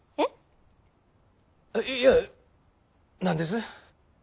何です？